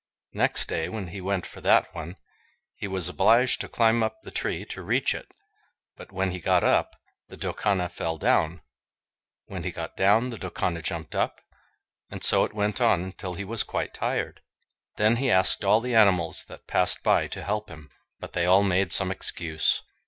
Next day, when he went for that one, he was obliged to climb up the tree to reach it; but when he got up, the Doukana fell down; when he got down the Doukana jumped up; and so it went on until he was quite tired. Then he asked all the animals that passed by to help him, but they all made some excuse.